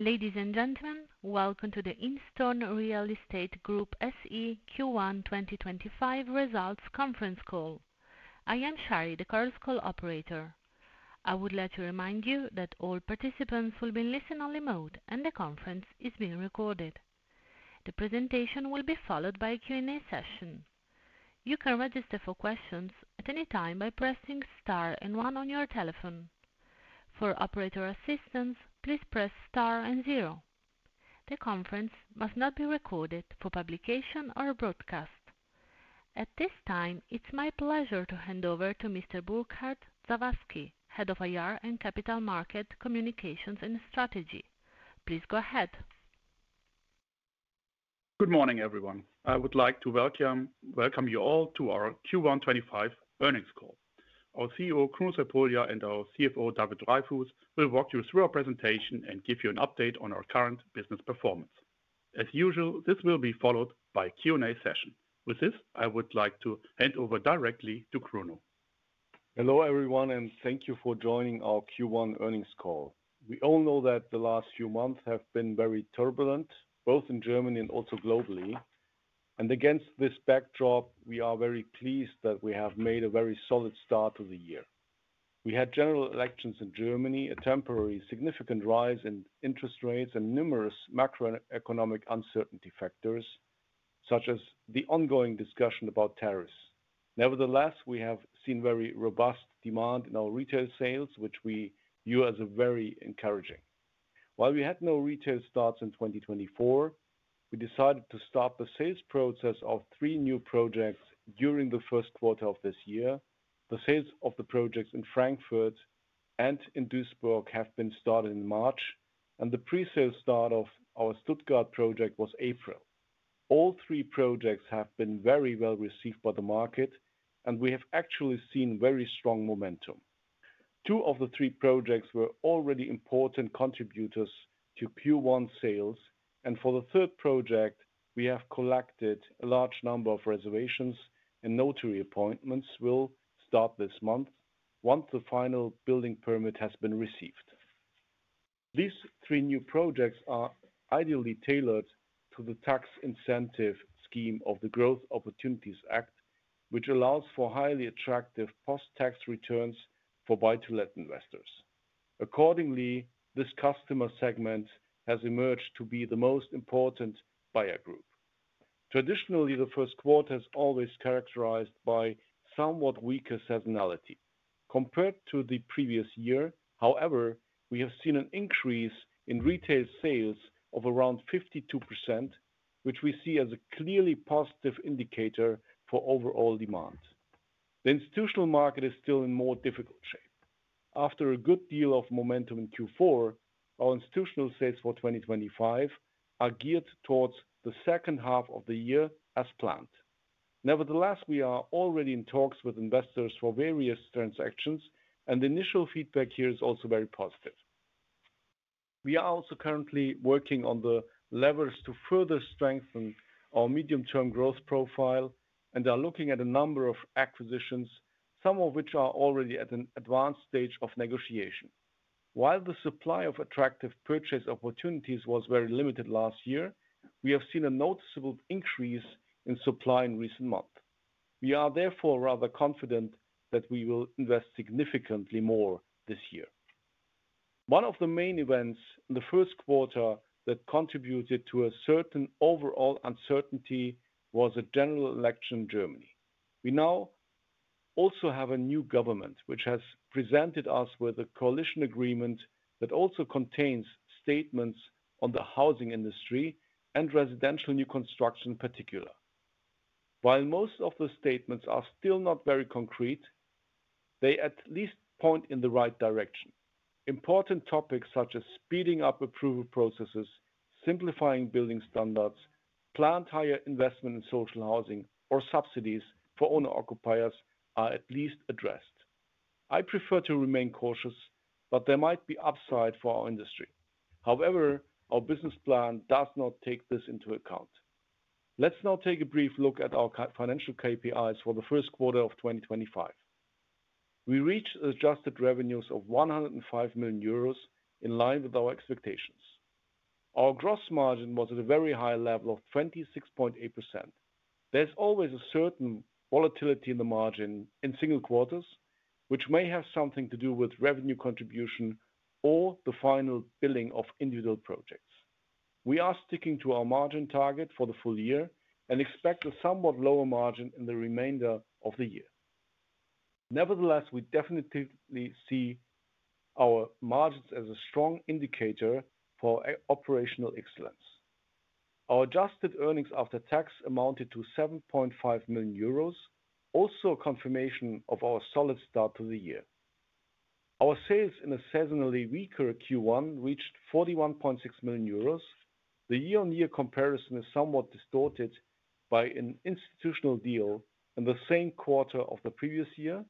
Ladies and gentlemen, welcome to the Instone Real Estate Group SE Q1 2025 results conference call. I am Shari, the Chorus Call operator. I would like to remind you that all participants will be in listen-only mode and the conference is being recorded. The presentation will be followed by a Q&A session. You can register for questions at any time by pressing star and one on your telephone. For operator assistance, please press star and zero. The conference must not be recorded for publication or broadcast. At this time, it's my pleasure to hand over to Mr. Burkhard Sawazki, Head of IR and Capital Market Communications and Strategy. Please go ahead. Good morning, everyone. I would like to welcome you all to our Q1 2025 earnings call. Our CEO, Kruno Crepulja, and our CFO, David Dreyfus, will walk you through our presentation and give you an update on our current business performance. As usual, this will be followed by a Q&A session. With this, I would like to hand over directly to Kruno. Hello, everyone, and thank you for joining our Q1 earnings call. We all know that the last few months have been very turbulent, both in Germany and also globally. Against this backdrop, we are very pleased that we have made a very solid start to the year. We had general elections in Germany, a temporary significant rise in interest rates, and numerous macroeconomic uncertainty factors such as the ongoing discussion about tariffs. Nevertheless, we have seen very robust demand in our retail sales, which we view as very encouraging. While we had no retail starts in 2024, we decided to start the sales process of three new projects during the first quarter of this year. The sales of the projects in Frankfurt and in Duisburg have been started in March, and the pre-sale start of our Stuttgart project was April. All three projects have been very well received by the market, and we have actually seen very strong momentum. Two of the three projects were already important contributors to Q1 sales, and for the third project, we have collected a large number of reservations, and notary appointments will start this month once the final building permit has been received. These three new projects are ideally tailored to the tax incentive scheme of the Growth Opportunities Act, which allows for highly attractive post-tax returns for buy-to-let investors. Accordingly, this customer segment has emerged to be the most important buyer group. Traditionally, the first quarter is always characterized by somewhat weaker seasonality. Compared to the previous year, however, we have seen an increase in retail sales of around 52%, which we see as a clearly positive indicator for overall demand. The institutional market is still in more difficult shape. After a good deal of momentum in Q4, our institutional sales for 2025 are geared towards the second half of the year as planned. Nevertheless, we are already in talks with investors for various transactions, and the initial feedback here is also very positive. We are also currently working on the levers to further strengthen our medium-term growth profile and are looking at a number of acquisitions, some of which are already at an advanced stage of negotiation. While the supply of attractive purchase opportunities was very limited last year, we have seen a noticeable increase in supply in recent months. We are therefore rather confident that we will invest significantly more this year. One of the main events in the first quarter that contributed to a certain overall uncertainty was a general election in Germany. We now also have a new government, which has presented us with a coalition agreement that also contains statements on the housing industry and residential new construction in particular. While most of the statements are still not very concrete, they at least point in the right direction. Important topics such as speeding up approval processes, simplifying building standards, planned higher investment in social housing, or subsidies for owner-occupiers are at least addressed. I prefer to remain cautious, but there might be upside for our industry. However, our business plan does not take this into account. Let's now take a brief look at our financial KPIs for the first quarter of 2025. We reached adjusted revenues of 105 million euros in line with our expectations. Our gross margin was at a very high level of 26.8%. There's always a certain volatility in the margin in single quarters, which may have something to do with revenue contribution or the final billing of individual projects. We are sticking to our margin target for the full year and expect a somewhat lower margin in the remainder of the year. Nevertheless, we definitely see our margins as a strong indicator for operational excellence. Our adjusted earnings after tax amounted to 7.5 million euros, also a confirmation of our solid start to the year. Our sales in a seasonally weaker Q1 reached 41.6 million euros. The year-on-year comparison is somewhat distorted by an institutional deal in the same quarter of the previous year,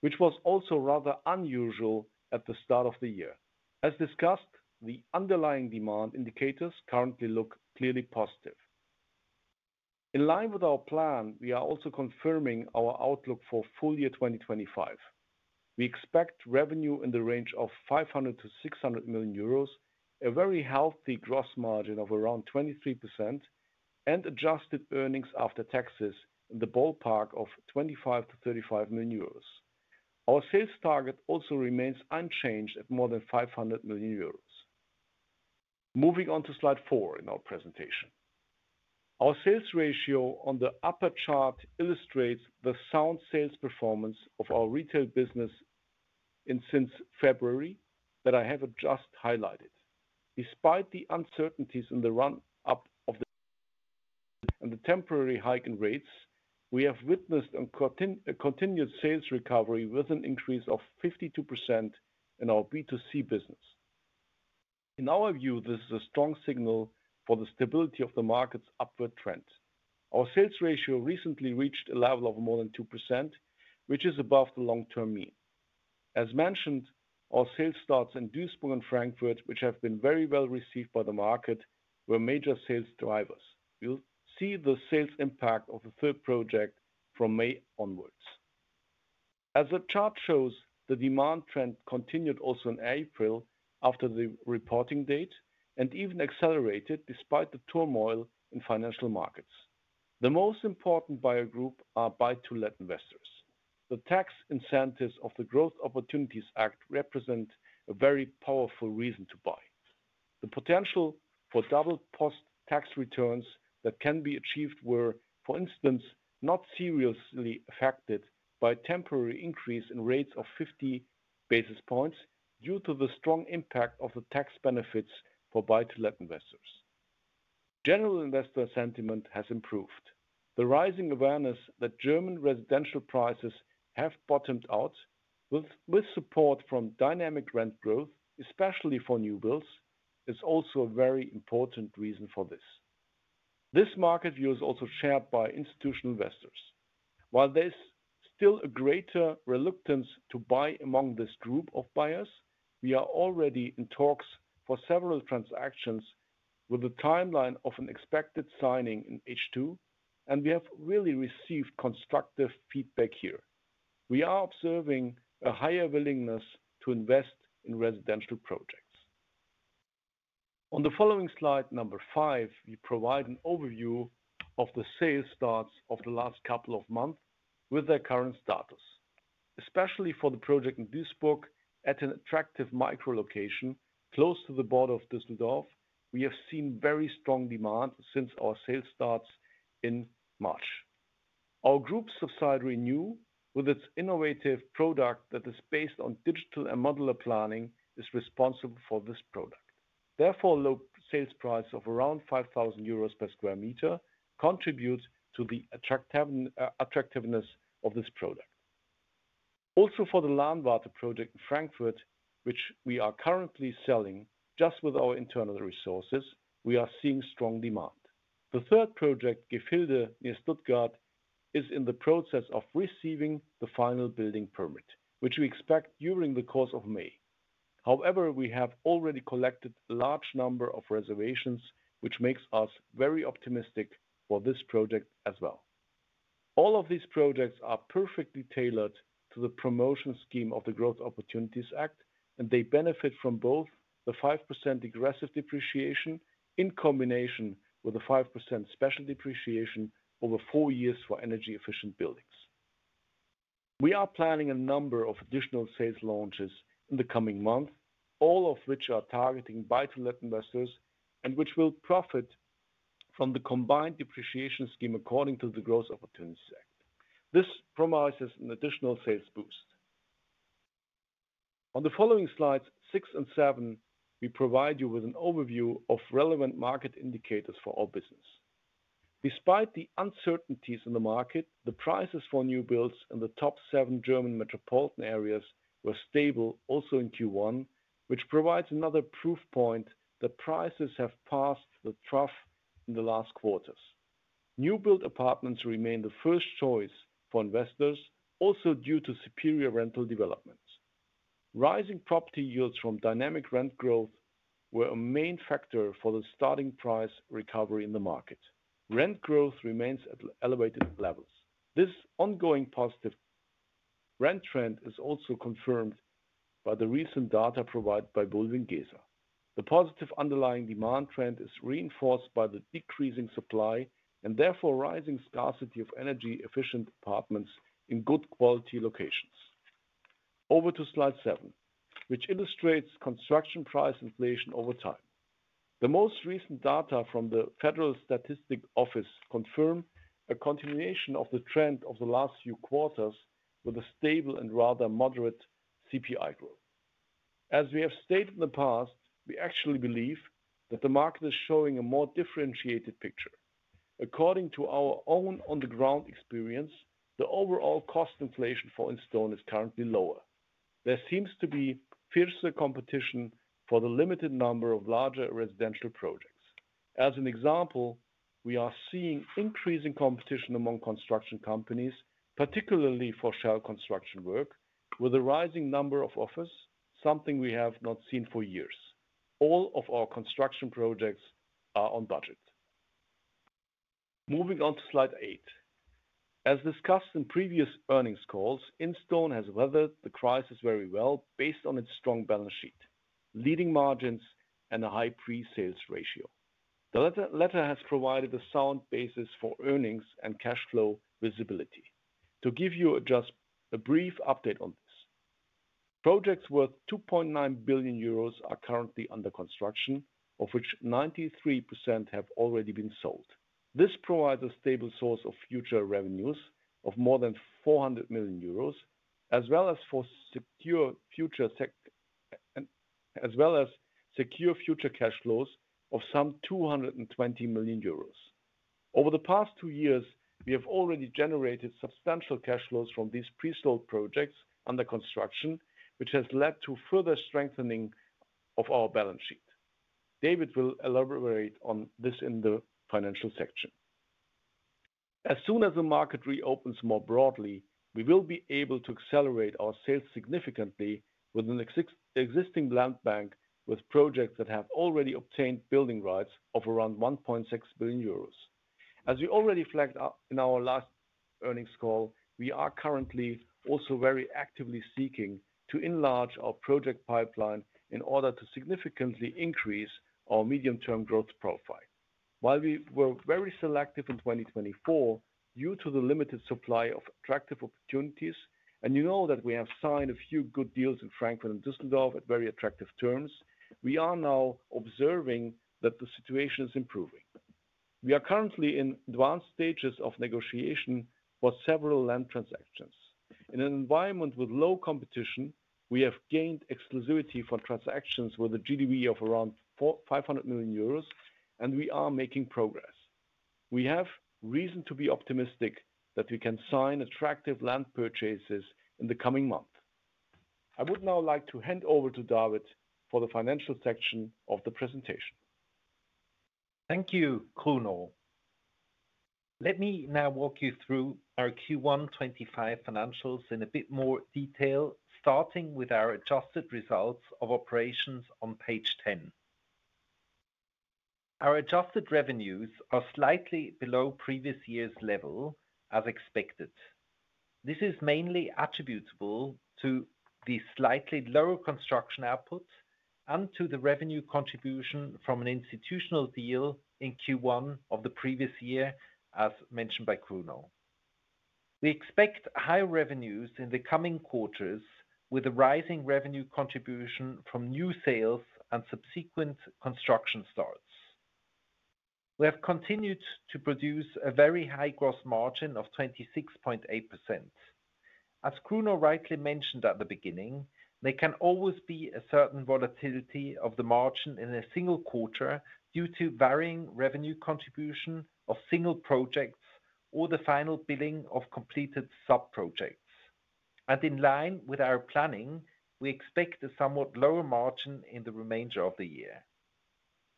which was also rather unusual at the start of the year. As discussed, the underlying demand indicators currently look clearly positive. In line with our plan, we are also confirming our outlook for full year 2025. We expect revenue in the range of 500 million-600 million euros, a very healthy gross margin of around 23%, and adjusted earnings after taxes in the ballpark of 25 million-35 million euros. Our sales target also remains unchanged at more than 500 million euros. Moving on to slide four in our presentation. Our sales ratio on the upper chart illustrates the sound sales performance of our retail business since February that I have just highlighted. Despite the uncertainties in the run-up of the and the temporary hike in rates, we have witnessed a continued sales recovery with an increase of 52% in our B2C business. In our view, this is a strong signal for the stability of the market's upward trend. Our sales ratio recently reached a level of more than 2%, which is above the long-term mean. As mentioned, our sales starts in Duisburg and Frankfurt, which have been very well received by the market, were major sales drivers. We will see the sales impact of the third project from May onwards. As the chart shows, the demand trend continued also in April after the reporting date and even accelerated despite the turmoil in financial markets. The most important buyer group are buy-to-let investors. The tax incentives of the Growth Opportunities Act represent a very powerful reason to buy. The potential for double post-tax returns that can be achieved were, for instance, not seriously affected by a temporary increase in rates of 50 basis points due to the strong impact of the tax benefits for buy-to-let investors. General investor sentiment has improved. The rising awareness that German residential prices have bottomed out, with support from dynamic rent growth, especially for new builds, is also a very important reason for this. This market view is also shared by institutional investors. While there is still a greater reluctance to buy among this group of buyers, we are already in talks for several transactions with a timeline of an expected signing in H2, and we have really received constructive feedback here. We are observing a higher willingness to invest in residential projects. On the following slide, number five, we provide an overview of the sales starts of the last couple of months with their current status. Especially for the project in Duisburg at an attractive micro-location close to the border of Düsseldorf, we have seen very strong demand since our sales starts in March. Our group subsidiary NU, with its innovative product that is based on digital and modular planning, is responsible for this product. Therefore, low sales prices of around 5,000 euros per sq m contribute to the attractiveness of this product. Also for the Lahnwarte project in Frankfurt, which we are currently selling just with our internal resources, we are seeing strong demand. The third project, Gefilde near Stuttgart, is in the process of receiving the final building permit, which we expect during the course of May. However, we have already collected a large number of reservations, which makes us very optimistic for this project as well. All of these projects are perfectly tailored to the promotion scheme of the Growth Opportunities Act, and they benefit from both the 5% aggressive depreciation in combination with the 5% special depreciation over four years for energy-efficient buildings. We are planning a number of additional sales launches in the coming months, all of which are targeting buy-to-let investors and which will profit from the combined depreciation scheme according to the Growth Opportunities Act. This promises an additional sales boost. On the following slides, six and seven, we provide you with an overview of relevant market indicators for our business. Despite the uncertainties in the market, the prices for new builds in the top seven German metropolitan areas were stable also in Q1, which provides another proof point that prices have passed the trough in the last quarters. New-built apartments remain the first choice for investors, also due to superior rental developments. Rising property yields from dynamic rent growth were a main factor for the starting price recovery in the market. Rent growth remains at elevated levels. This ongoing positive rent trend is also confirmed by the recent data provided by Bulwiengesa. The positive underlying demand trend is reinforced by the decreasing supply and therefore rising scarcity of energy-efficient apartments in good quality locations. Over to slide seven, which illustrates construction price inflation over time. The most recent data from the Federal Statistics Office confirm a continuation of the trend of the last few quarters with a stable and rather moderate CPI growth. As we have stated in the past, we actually believe that the market is showing a more differentiated picture. According to our own on-the-ground experience, the overall cost inflation for Instone is currently lower. There seems to be fiercer competition for the limited number of larger residential projects. As an example, we are seeing increasing competition among construction companies, particularly for shell construction work, with a rising number of offers, something we have not seen for years. All of our construction projects are on budget. Moving on to slide eight. As discussed in previous earnings calls, Instone has weathered the crisis very well based on its strong balance sheet, leading margins, and a high pre-sales ratio. The latter has provided a sound basis for earnings and cash flow visibility. To give you just a brief update on this, projects worth 2.9 billion euros are currently under construction, of which 93% have already been sold. This provides a stable source of future revenues of more than 400 million euros, as well as for secure future cash flows of some 220 million euros. Over the past two years, we have already generated substantial cash flows from these pre-sold projects under construction, which has led to further strengthening of our balance sheet. David will elaborate on this in the financial section. As soon as the market reopens more broadly, we will be able to accelerate our sales significantly with an existing land bank with projects that have already obtained building rights of around 1.6 billion euros. As we already flagged in our last earnings call, we are currently also very actively seeking to enlarge our project pipeline in order to significantly increase our medium-term growth profile. While we were very selective in 2024 due to the limited supply of attractive opportunities, and you know that we have signed a few good deals in Frankfurt and Düsseldorf at very attractive terms, we are now observing that the situation is improving. We are currently in advanced stages of negotiation for several land transactions. In an environment with low competition, we have gained exclusivity for transactions with a GDV of around 500 million euros, and we are making progress. We have reason to be optimistic that we can sign attractive land purchases in the coming month. I would now like to hand over to David for the financial section of the presentation. Thank you, Kruno. Let me now walk you through our Q1 2025 financials in a bit more detail, starting with our adjusted results of operations on page 10. Our adjusted revenues are slightly below previous year's level, as expected. This is mainly attributable to the slightly lower construction output and to the revenue contribution from an institutional deal in Q1 of the previous year, as mentioned by Kruno. We expect higher revenues in the coming quarters with a rising revenue contribution from new sales and subsequent construction starts. We have continued to produce a very high gross margin of 26.8%. As Kruno rightly mentioned at the beginning, there can always be a certain volatility of the margin in a single quarter due to varying revenue contribution of single projects or the final billing of completed sub-projects. In line with our planning, we expect a somewhat lower margin in the remainder of the year.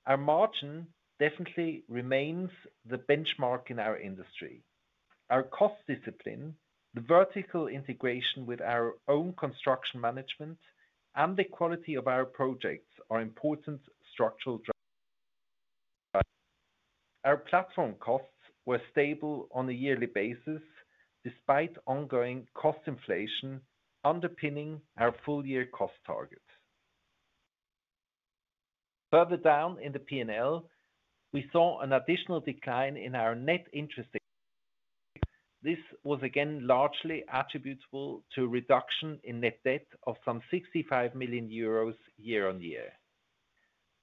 Our margin definitely remains the benchmark in our industry. Our cost discipline, the vertical integration with our own construction management, and the quality of our projects are important structural drivers. Our platform costs were stable on a yearly basis despite ongoing cost inflation underpinning our full-year cost target. Further down in the P&L, we saw an additional decline in our net interest. This was again largely attributable to a reduction in net debt of some 65 million euros year-on-year.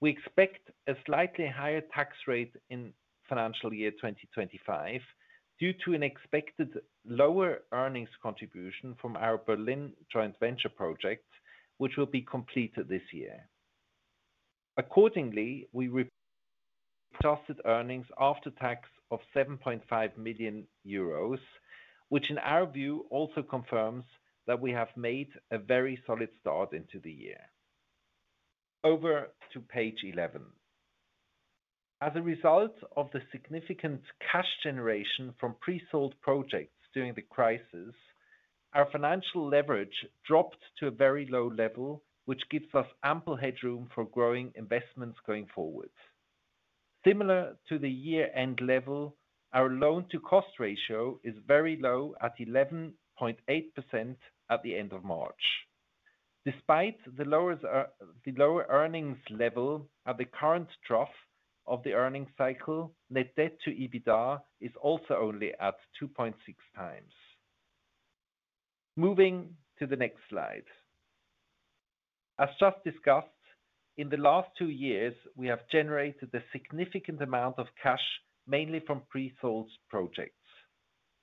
We expect a slightly higher tax rate in financial year 2025 due to an expected lower earnings contribution from our Berlin joint venture project, which will be completed this year. Accordingly, we reported earnings after tax of 7.5 million euros, which in our view also confirms that we have made a very solid start into the year. Over to page 11. As a result of the significant cash generation from pre-sold projects during the crisis, our financial leverage dropped to a very low level, which gives us ample headroom for growing investments going forward. Similar to the year-end level, our loan-to-cost ratio is very low at 11.8% at the end of March. Despite the lower earnings level at the current trough of the earnings cycle, net debt to EBITDA is also only at 2.6x. Moving to the next slide. As just discussed, in the last two years, we have generated a significant amount of cash mainly from pre-sold projects.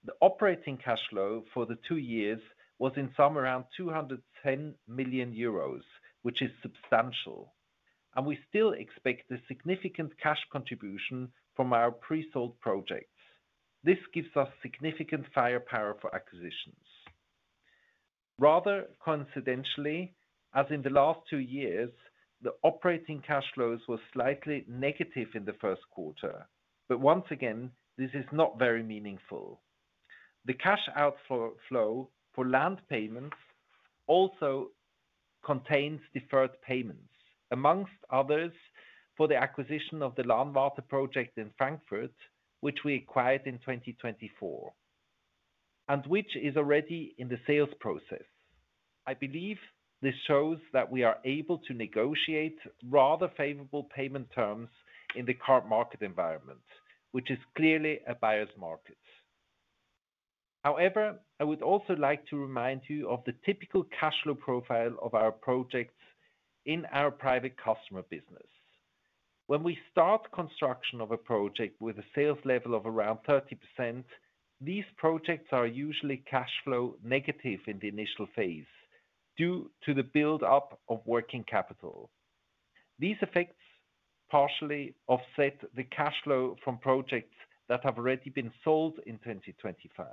The operating cash flow for the two years was in sum around 210 million euros, which is substantial, and we still expect a significant cash contribution from our pre-sold projects. This gives us significant firepower for acquisitions. Rather coincidentally, as in the last two years, the operating cash flows were slightly negative in the first quarter, but once again, this is not very meaningful. The cash outflow for land payments also contains deferred payments, amongst others, for the acquisition of the Lahnwarte project in Frankfurt, which we acquired in 2024, and which is already in the sales process. I believe this shows that we are able to negotiate rather favorable payment terms in the current market environment, which is clearly a buyer's market. However, I would also like to remind you of the typical cash flow profile of our projects in our private customer business. When we start construction of a project with a sales level of around 30%, these projects are usually cash flow negative in the initial phase due to the build-up of working capital. These effects partially offset the cash flow from projects that have already been sold in 2025.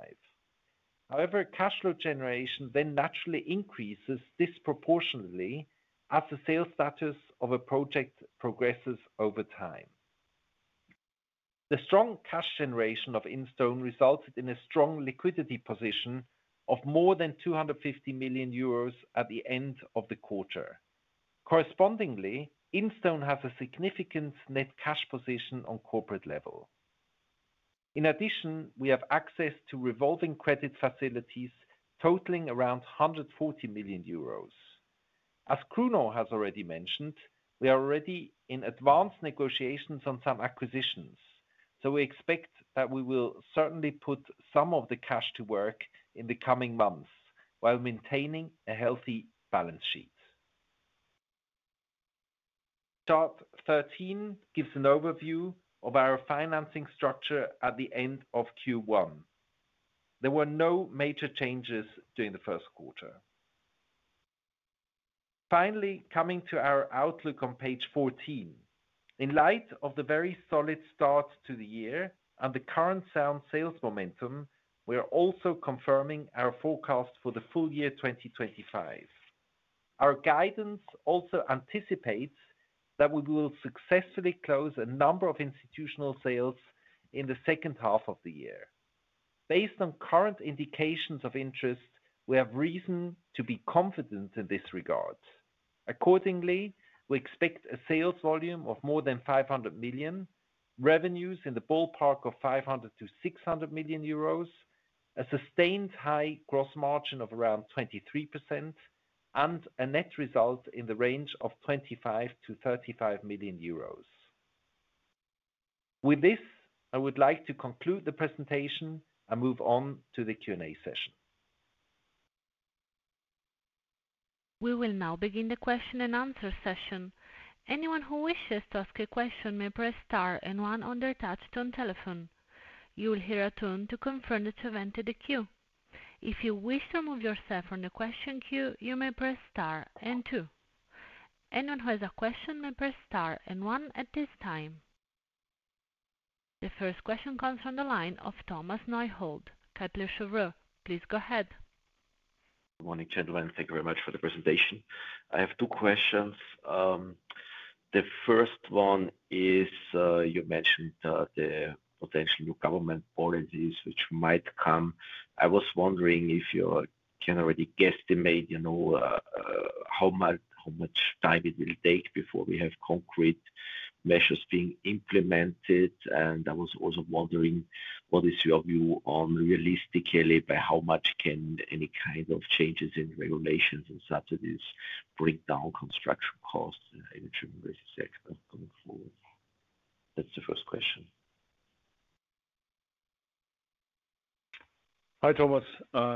However, cash flow generation then naturally increases disproportionately as the sales status of a project progresses over time. The strong cash generation of Instone resulted in a strong liquidity position of more than 250 million euros at the end of the quarter. Correspondingly, Instone has a significant net cash position on corporate level. In addition, we have access to revolving credit facilities totaling around 140 million euros. As Kruno has already mentioned, we are already in advanced negotiations on some acquisitions, so we expect that we will certainly put some of the cash to work in the coming months while maintaining a healthy balance sheet. Chart 13 gives an overview of our financing structure at the end of Q1. There were no major changes during the first quarter. Finally, coming to our outlook on page 14. In light of the very solid start to the year and the current sound sales momentum, we are also confirming our forecast for the full year 2025. Our guidance also anticipates that we will successfully close a number of institutional sales in the second half of the year. Based on current indications of interest, we have reason to be confident in this regard. Accordingly, we expect a sales volume of more than 500 million, revenues in the ballpark of 500 million- 600 million euros, a sustained high gross margin of around 23%, and a net result in the range of 25-35 million euros. With this, I would like to conclude the presentation and move on to the Q&A session. We will now begin the question and answer session. Anyone who wishes to ask a question may press star and one under touch tone telephone. You will hear a tone to confirm that you've entered the queue. If you wish to remove yourself from the question queue, you may press star and two. Anyone who has a question may press star and one at this time. The first question comes from the line of Thomas Neuhold, Kepler Cheuvreux. Please go ahead. Good morning, gentlemen. Thank you very much for the presentation. I have two questions. The first one is you mentioned the potential new government policies which might come. I was wondering if you can already guesstimate how much time it will take before we have concrete measures being implemented. I was also wondering what is your view on realistically by how much can any kind of changes in regulations and subsidies bring down construction costs in the German research sector going forward? That's the first question. Hi, Thomas.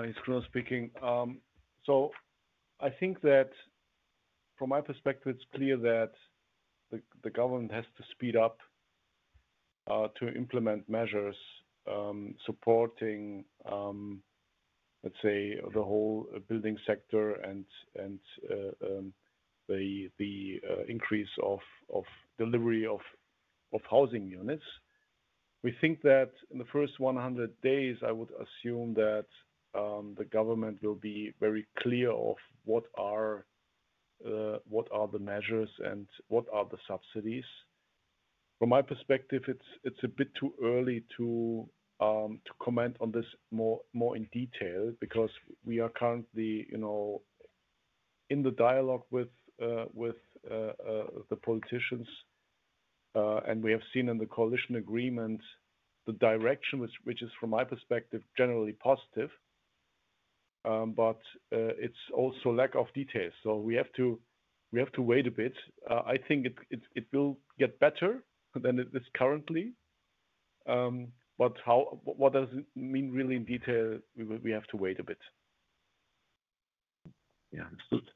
It's Kruno speaking. I think that from my perspective, it's clear that the government has to speed up to implement measures supporting, let's say, the whole building sector and the increase of delivery of housing units. We think that in the first 100 days, I would assume that the government will be very clear of what are the measures and what are the subsidies. From my perspective, it's a bit too early to comment on this more in detail because we are currently in the dialogue with the politicians, and we have seen in the coalition agreement the direction, which is from my perspective generally positive, but it's also lack of detail. We have to wait a bit. I think it will get better than it is currently, but what does it mean really in detail? We have to wait a bit. Yeah, understood.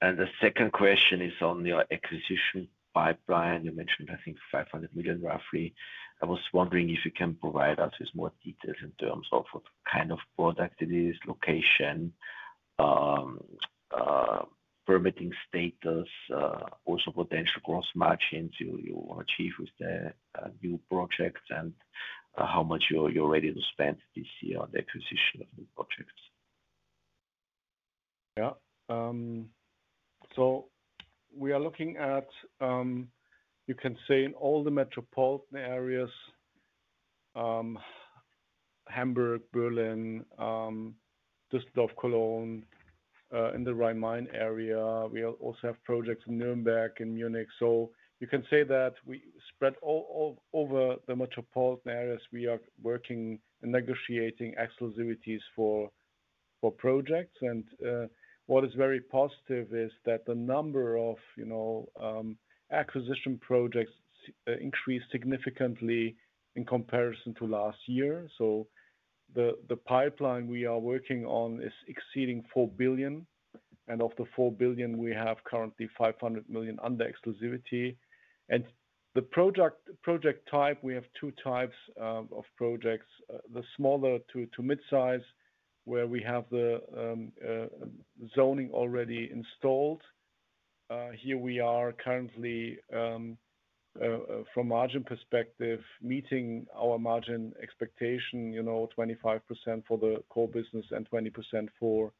The second question is on your acquisition pipeline. You mentioned, I think, 500 million roughly. I was wondering if you can provide us with more details in terms of what kind of product it is, location, permitting status, also potential gross margins you will achieve with the new projects, and how much you're ready to spend this year on the acquisition of new projects. Yeah. We are looking at, you can say, in all the metropolitan areas, Hamburg, Berlin, Düsseldorf, Cologne, in the Rhein-Main area. We also have projects in Nuremberg and Munich. You can say that we spread all over the metropolitan areas. We are working and negotiating exclusivities for projects. What is very positive is that the number of acquisition projects increased significantly in comparison to last year. The pipeline we are working on is exceeding 4 billion, and of the 4 billion, we have currently 500 million under exclusivity. The project type, we have two types of projects, the smaller to mid-size, where we have the zoning already installed. Here we are currently, from margin perspective, meeting our margin expectation, 25% for the core business and 20% for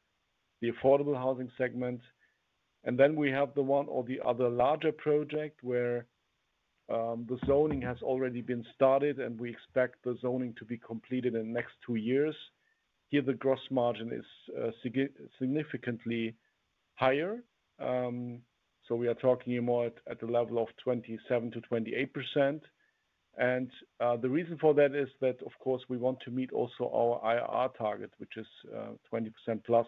the affordable housing segment. We have the one or the other larger project where the zoning has already been started, and we expect the zoning to be completed in the next two years. Here, the gross margin is significantly higher. We are talking more at the level of 27%-28%. The reason for that is that, of course, we want to meet also our IRR target, which is 20% plus.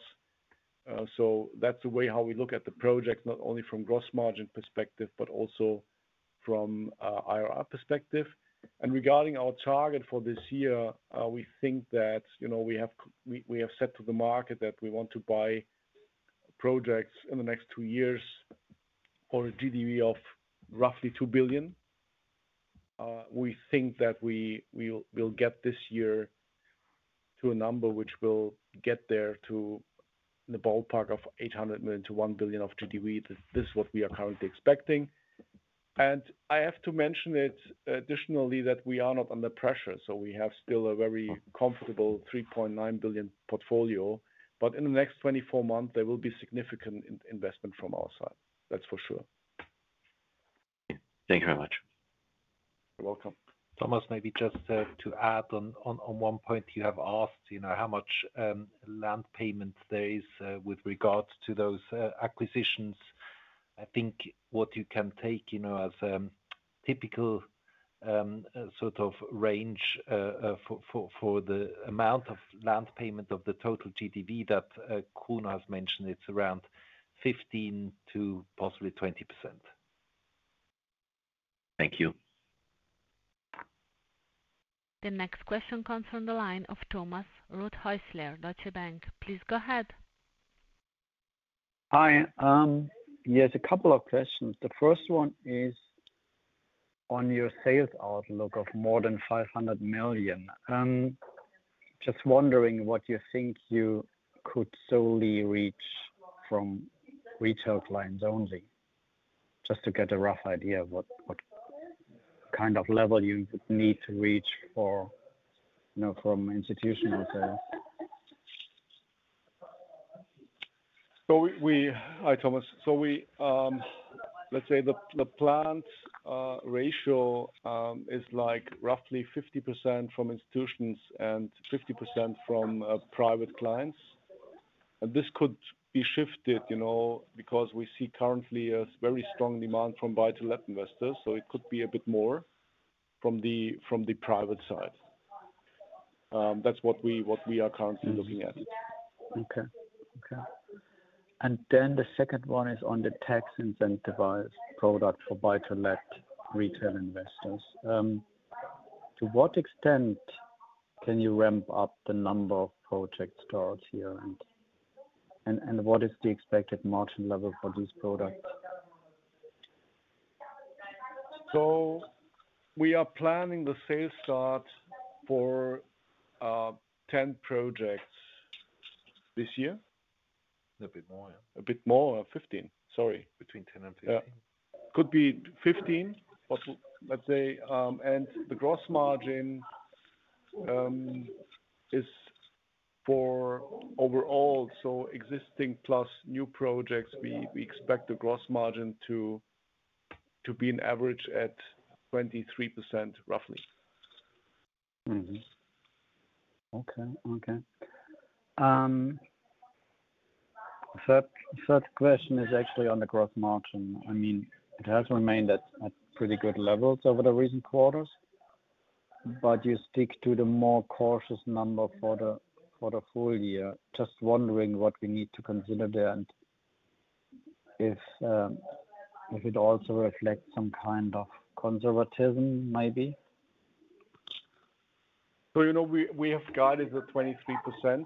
That is the way how we look at the project, not only from gross margin perspective, but also from IRR perspective. Regarding our target for this year, we think that we have said to the market that we want to buy projects in the next two years for a GDV of roughly 2 billion. We think that we will get this year to a number which will get there to the ballpark of 800 million-1 billion of GDV. This is what we are currently expecting. I have to mention it additionally that we are not under pressure. We have still a very comfortable 3.9 billion portfolio, but in the next 24 months, there will be significant investment from our side. That is for sure. Thank you very much. You are welcome. Thomas, maybe just to add on one point you have asked how much land payment there is with regards to those acquisitions. I think what you can take as a typical sort of range for the amount of land payment of the total GDV that Kruno has mentioned, it is around 15%-20%. Thank you. The next question comes from the line of Thomas, Ruth Häusler, Deutsche Bank. Please go ahead. Hi. Yes, a couple of questions. The first one is on your sales outlook of more than 500 million. Just wondering what you think you could solely reach from retail clients only, just to get a rough idea of what kind of level you would need to reach from institutional sales. Hi, Thomas. Let's say the planned ratio is roughly 50% from institutions and 50% from private clients. This could be shifted because we see currently a very strong demand from buy-to-let investors, so it could be a bit more from the private side. That is what we are currently looking at. Okay. Okay. The second one is on the tax incentivized product for buy-to-let retail investors. To what extent can you ramp up the number of project starts here, and what is the expected margin level for these products? We are planning the sales start for 10 projects this year. A bit more, yeah. A bit more, 15. Sorry. Between 10 and 15. Yeah. Could be 15, let's say. The gross margin is for overall, so existing plus new projects, we expect the gross margin to be an averageat 23% roughly. Okay. Okay. Third question is actually on the gross margin. I mean, it has remained at pretty good levels over the recent quarters, but you stick to the more cautious number for the full year. Just wondering what we need to consider there and if it also reflects some kind of conservatism, maybe. We have guided the 23%.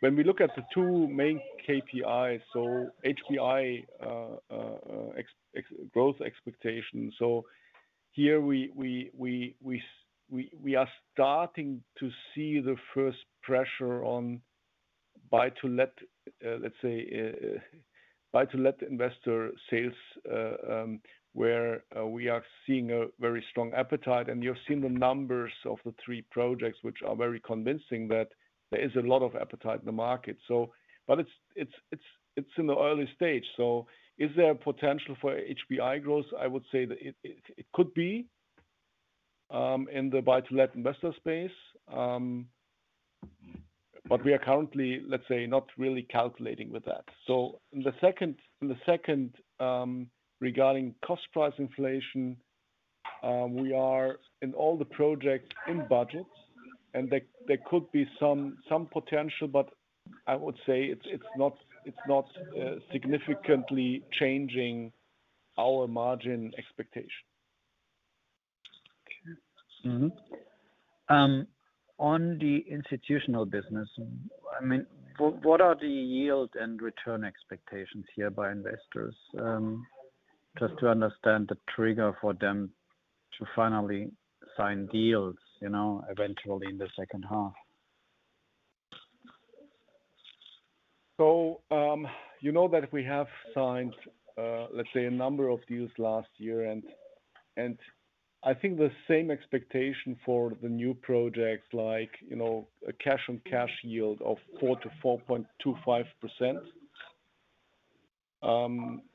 When we look at the two main KPIs, so HPI, growth expectation. Here we are starting to see the first pressure on buy-to-let, let's say, buy-to-let investor sales, where we are seeing a very strong appetite. You have seen the numbers of the three projects, which are very convincing that there is a lot of appetite in the market. It is in the early stage. Is there potential for HPI growth? I would say it could be in the buy-to-let investor space, but we are currently, let's say, not really calculating with that. In the second, regarding cost price inflation, we are in all the projects in budget, and there could be some potential, but I would say it is not significantly changing our margin expectation. Okay. On the institutional business, I mean, what are the yield and return expectations here by investors? Just to understand the trigger for them to finally sign deals eventually in the second half. You know that we have signed, let's say, a number of deals last year, and I think the same expectation for the new projects, like a cash-on-cash yield of 4%-4.25%.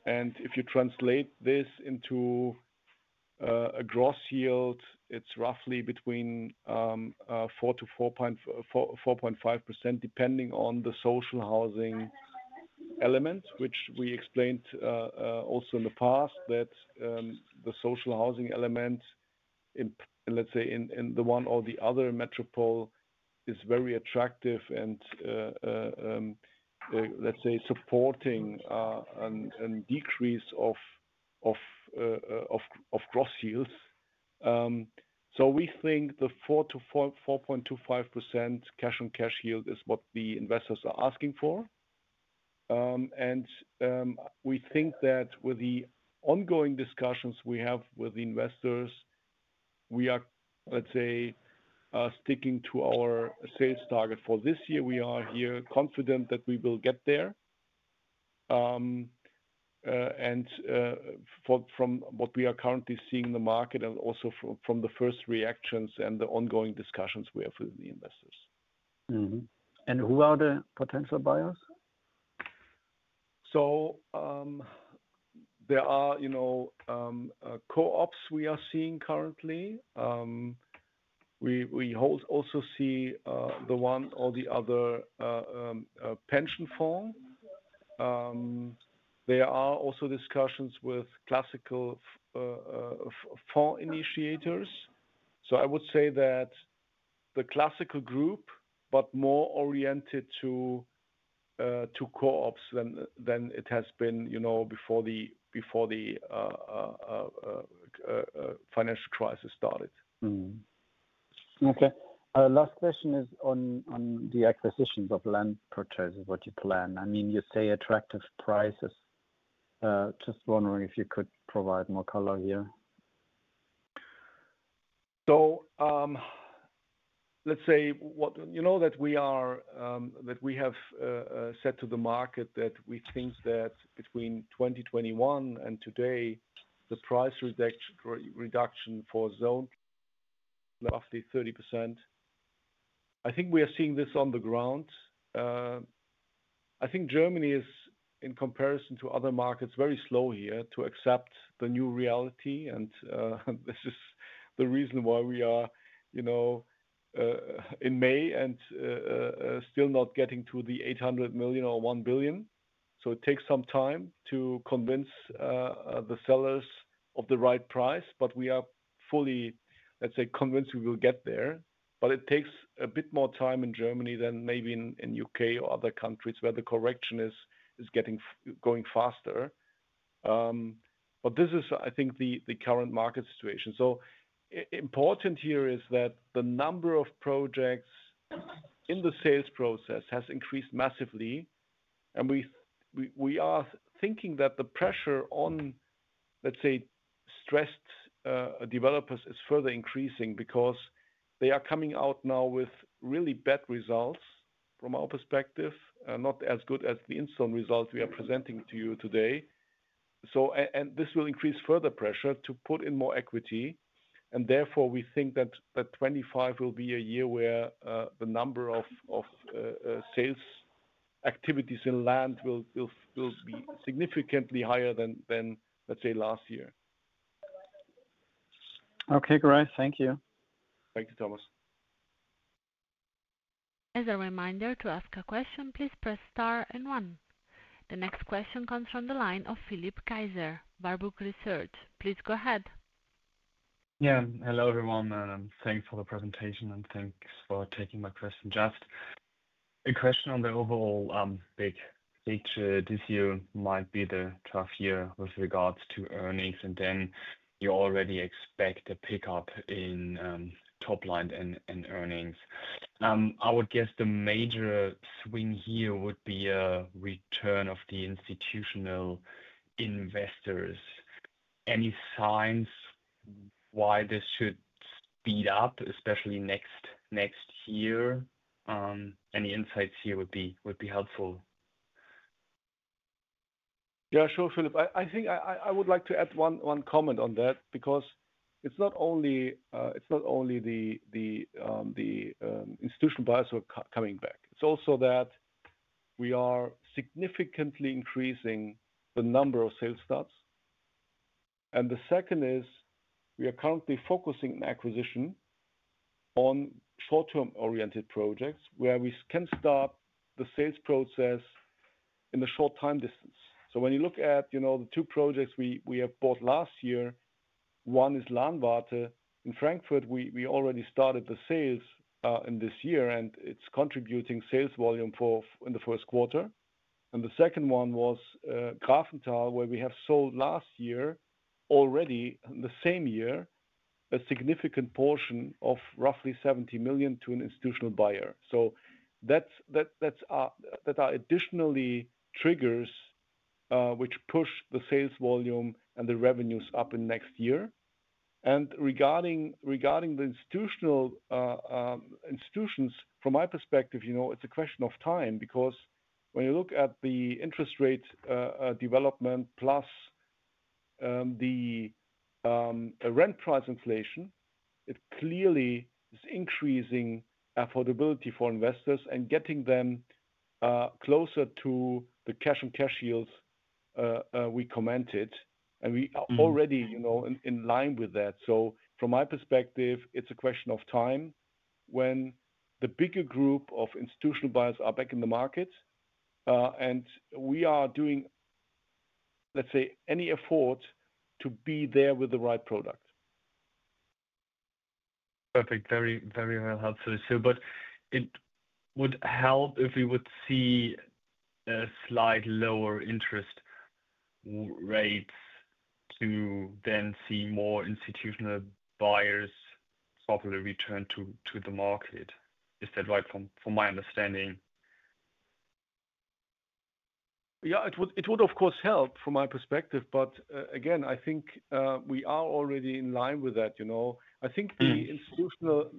If you translate this into a gross yield, it is roughly between 4%-4.5%, depending on the social housing element, which we explained also in the past, that the social housing element, let's say, in the one or the other metropole, is very attractive and, let's say, supporting a decrease of gross yields. We think the 4%-4.25% cash-on-cash yield is what the investors are asking for. We think that with the ongoing discussions we have with the investors, we are, let's say, sticking to our sales target for this year. We are confident that we will get there. From what we are currently seeing in the market and also from the first reactions and the ongoing discussions we have with the investors. Who are the potential buyers? There are co-ops we are seeing currently. We also see the one or the other pension fund. There are also discussions with classical fund initiators. I would say that the classical group, but more oriented to co-ops than it has been before the financial crisis started. Okay. Last question is on the acquisitions of land purchases, what you plan. I mean, you say attractive prices. Just wondering if you could provide more color here. Let's say that we have said to the market that we think that between 2021 and today, the price reduction for zones is roughly 30%. I think we are seeing this on the ground.I think Germany is, in comparison to other markets, very slow here to accept the new reality. This is the reason why we are in May and still not getting to the 800 million or 1 billion. It takes some time to convince the sellers of the right price, but we are fully, let's say, convinced we will get there. It takes a bit more time in Germany than maybe in the U.K. or other countries where the correction is going faster. I think this is the current market situation. Important here is that the number of projects in the sales process has increased massively. We are thinking that the pressure on, let's say, stressed developers is further increasing because they are coming out now with really bad results from our perspective, not as good as the Instone results we are presenting to you today. This will increase further pressure to put in more equity. Therefore, we think that 2025 will be a year where the number of sales activities in land will be significantly higher than, let's say, last year. Okay, great. Thank you. Thank you, Thomas. As a reminder to ask a question, please press star and one. The next question comes from the line of Philipp Kaiser, Warburg Research. Please go ahead. Yeah. Hello, everyone. Thanks for the presentation, and thanks for taking my question. Just a question on the overall picture. This year might be the tough year with regards to earnings, and then you already expect a pickup in top line and earnings. I would guess the major swing here would be a return of the institutional investors. Any signs why this should speed up, especially next year? Any insights here would be helpful. Yeah, sure, Philippe. I think I would like to add one comment on that because it's not only the institutional buyers who are coming back. It's also that we are significantly increasing the number of sales starts. The second is we are currently focusing on acquisition on short-term oriented projects where we can start the sales process in the short time distance. When you look at the two projects we have bought last year, one is Lahnwarte. In Frankfurt, we already started the sales in this year, and it's contributing sales volume in the first quarter. The second one was Grafenthal, where we have sold last year already in the same year a significant portion of roughly 70 million to an institutional buyer. That's our additional triggers which push the sales volume and the revenues up in next year. Regarding the institutions, from my perspective, it's a question of time because when you look at the interest rate development plus the rent price inflation, it clearly is increasing affordability for investors and getting them closer to the cash-on-cash yields we commented. We are already in line with that. From my perspective, it is a question of time when the bigger group of institutional buyers are back in the market, and we are doing, let's say, any effort to be there with the right product. Perfect. Very, very well helpful. It would help if we would see slightly lower interest rates to then see more institutional buyers properly return to the market. Is that right from my understanding? Yeah, it would, of course, help from my perspective. Again, I think we are already in line with that. I think the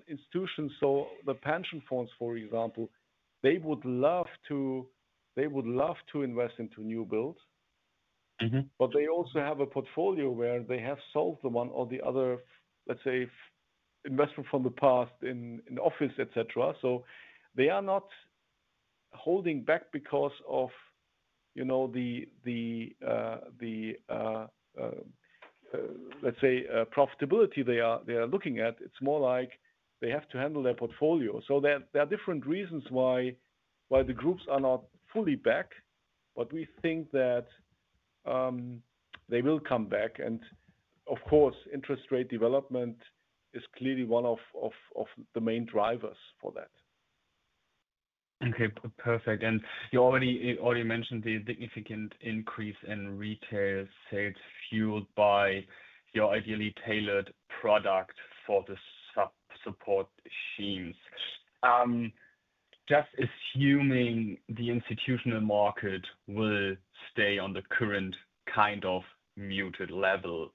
institutions, so the pension funds, for example, they would love to invest into new builds. They also have a portfolio where they have sold the one or the other, let's say, investment from the past in office, etc. They are not holding back because of the, let's say, profitability they are looking at. It's more like they have to handle their portfolio. There are different reasons why the groups are not fully back, but we think that they will come back. Of course, interest rate development is clearly one of the main drivers for that. Okay. Perfect. You already mentioned the significant increase in retail sales fueled by your ideally tailored product for the support schemes. Just assuming the institutional market will stay on the current kind of muted level,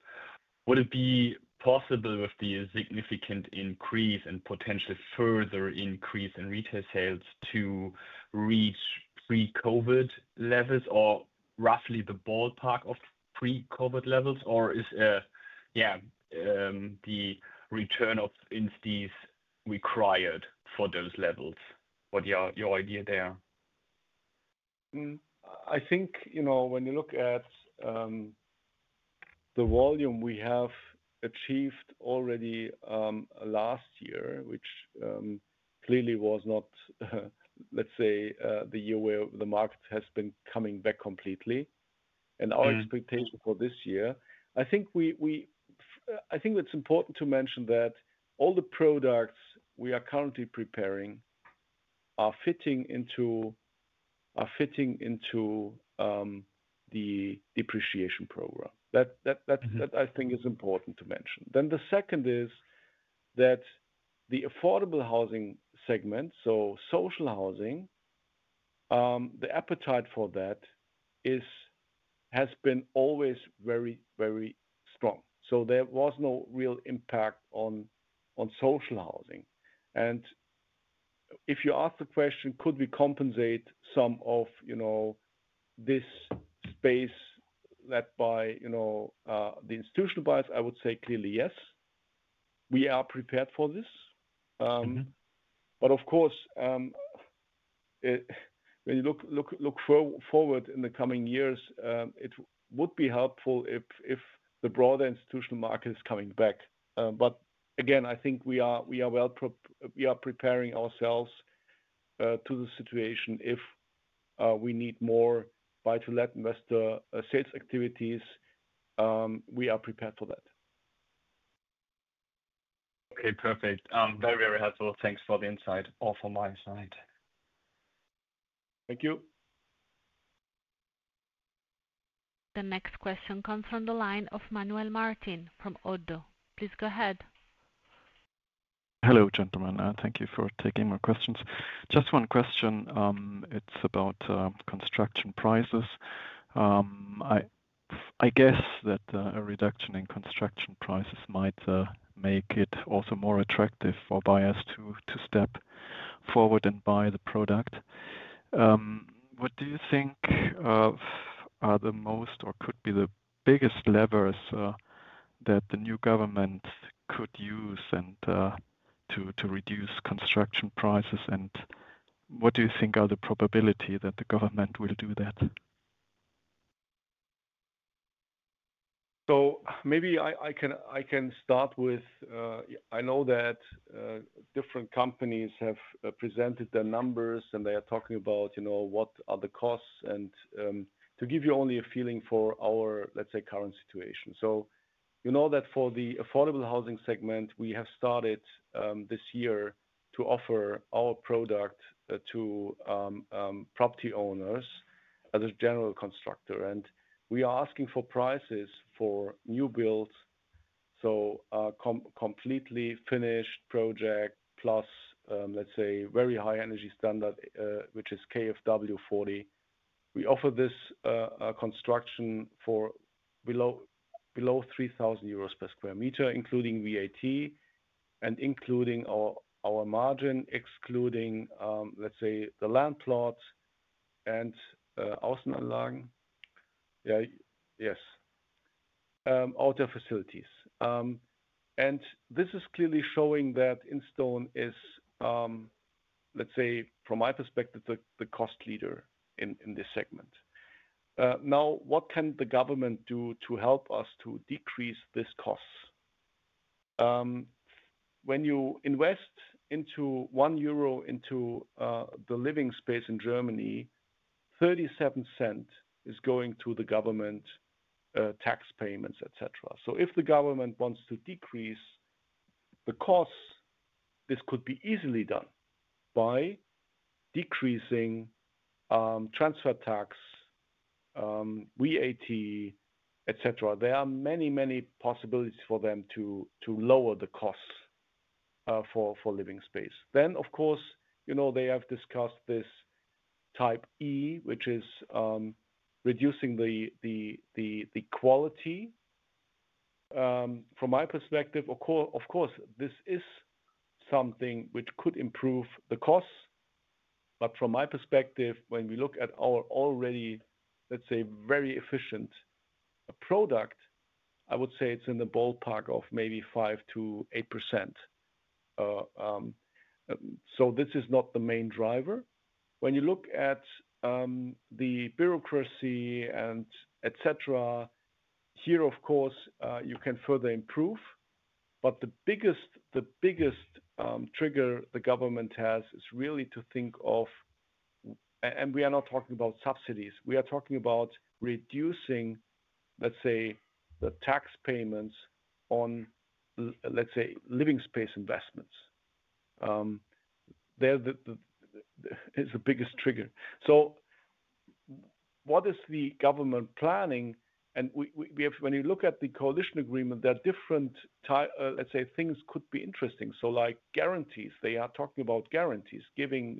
would it be possible with the significant increase and potentially further increase in retail sales to reach pre-COVID levels or roughly the ballpark of pre-COVID levels? Or is, yeah, the return of entities required for those levels? What's your idea there? I think when you look at the volume we have achieved already last year, which clearly was not, let's say, the year where the market has been coming back completely. Our expectation for this year, I think it's important to mention that all the products we are currently preparing are fitting into the depreciation program. That I think is important to mention. The second is that the affordable housing segment, so social housing, the appetite for that has been always very, very strong. There was no real impact on social housing. If you ask the question, could we compensate some of this space led by the institutional buyers, I would say clearly yes. We are prepared for this. Of course, when you look forward in the coming years, it would be helpful if the broader institutional market is coming back. Again, I think we are preparing ourselves to the situation if we need more buy-to-let investor sales activities. We are prepared for that. Okay. Perfect. Very, very helpful. Thanks for the insight, all from my side. Thank you. The next question comes from the line of Manuel Martin from Oddo. Please go ahead. Hello, gentlemen. Thank you for taking my questions. Just one question. It is about construction prices. I guess that a reduction in construction prices might make it also more attractive for buyers to step forward and buy the product. What do you think are the most or could be the biggest levers that the new government could use to reduce construction prices? And what do you think are the probability that the government will do that? Maybe I can start with I know that different companies have presented their numbers, and they are talking about what are the costs. To give you only a feeling for our, let's say, current situation. You know that for the affordable housing segment, we have started this year to offer our product to property owners as a general constructor. We are asking for prices for new builds, so completely finished project plus, let's say, very high energy standard, which is KfW 40. We offer this construction for below 3,000 euros per sq m, including VAT and including our margin, excluding, let's say, the land plots and outside analog. Yes. Outdoor facilities. This is clearly showing that Instone is, let's say, from my perspective, the cost leader in this segment. Now, what can the government do to help us to decrease this cost? When you invest 1 euro into the living space in Germany, 37 cents is going to the government tax payments, etc. If the government wants to decrease the cost, this could be easily done by decreasing transfer tax, VAT, etc. There are many, many possibilities for them to lower the costs for living space. They have discussed this type E, which is reducing the quality. From my perspective, this is something which could improve the costs. From my perspective, when we look at our already, let's say, very efficient product, I would say it's in the ballpark of maybe 5%-8%. This is not the main driver. When you look at the bureaucracy and etc., here, you can further improve. The biggest trigger the government has is really to think of, and we are not talking about subsidies. We are talking about reducing, let's say, the tax payments on, let's say, living space investments. There is the biggest trigger. What is the government planning? When you look at the coalition agreement, there are different, let's say, things that could be interesting. Like guarantees, they are talking about guarantees, giving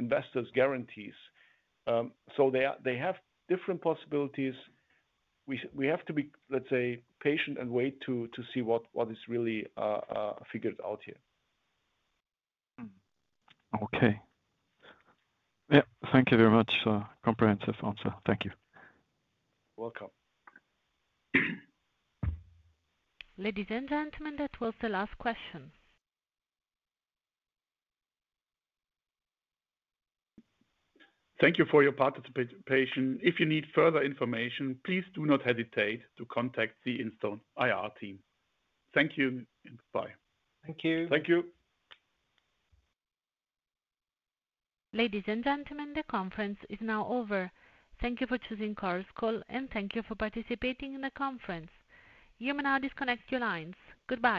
investors guarantees. They have different possibilities. We have to be, let's say, patient and wait to see what is really figured out here. Okay. Yeah. Thank you very much. Comprehensive answer. Thank you. You're welcome. Ladies and gentlemen, that was the last question. Thank you for your participation. If you need further information, please do not hesitate to contact the Instone IR team. Thank you. Bye. Thank you. Thank you. Ladies and gentlemen, the conference is now over. Thank you for choosing Chorus Call, and thank you for participating in the conference. You may now disconnect your lines. Goodbye.